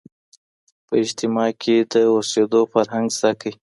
په اجتماع کي د اوسېدو فرهنګ زده کړئ.